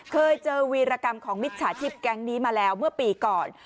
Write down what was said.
เคยเจอวีรกรรมของมิจฉาชีพแก๊งนี้มาแล้วเมื่อปีก่อน